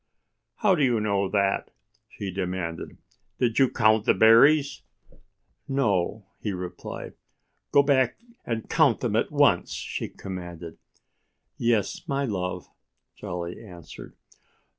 "How do you know that?" she demanded. "Did you count the berries?" "No!" he replied. "Go back and count them at once!" she commanded. "Yes, my love!" Jolly answered.